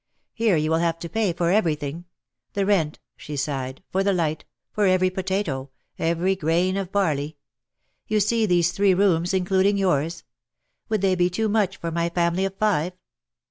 Here you will have to pay for everything; the rent!" she sighed, "for the light, for every potato, every grain of barley. You see these three rooms, including yours? Would they be too much for my family of five?"